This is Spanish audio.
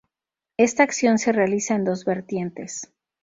Esta acción se realiza en dos vertientes.